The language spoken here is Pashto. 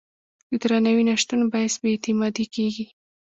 د درناوي نه شتون باعث بې اعتمادي کېږي.